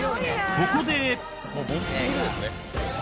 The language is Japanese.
ここで。